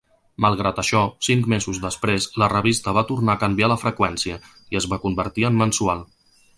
Malgrat això, cinc mesos després la revista va tornar a canviar la freqüència, i es va convertir en mensual.